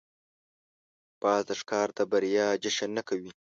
باز د ښکار د بریا جشن نه کوي